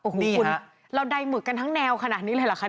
โอ้โหคุณเราใดหมึกกันทั้งแนวขนาดนี้เลยเหรอคะ